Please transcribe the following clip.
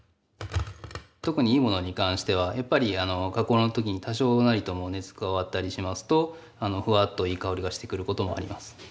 特にいいものに関してはやっぱり加工の時に多少なりとも熱加わったりしますとふわっといい香りがしてくることもあります。